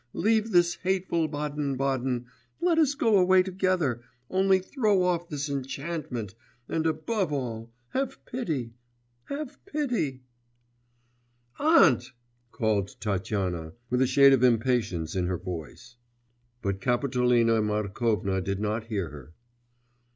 Leave this hateful Baden Baden, let us go away together, only throw off this enchantment, and, above all, have pity, have pity ' 'Aunt!' called Tatyana, with a shade of impatience in her voice. But Kapitolina Markovna did not hear her.